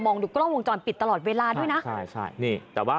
มองดูกล้าวงจรปิดตลอดเวลาด้วยนะใช่แต่ว่า